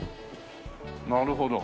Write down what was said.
なるほど。